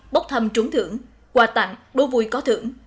bốc thăm trúng thưởng quà tặng đố vui có thưởng